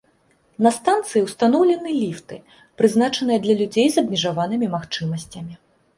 На станцыі ўстаноўлены ліфты, прызначаныя для людзей з абмежаванымі магчымасцямі.